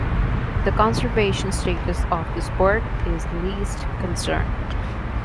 The conservation status of this bird is Least Concern.